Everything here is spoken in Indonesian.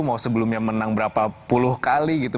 mau sebelumnya menang berapa puluh kali gitu